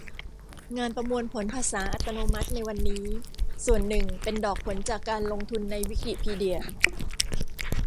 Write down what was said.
งานประมวลผลภาษาอัตโนมัติในวันนี้ ส่วนหนึ่งเป็นดอกผลจากการลงทุนในวิกิพีเดีย